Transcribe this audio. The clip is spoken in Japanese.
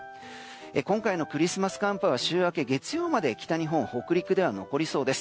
今回のクリスマス寒波は週明け月曜まで北日本、北陸では残りそうです。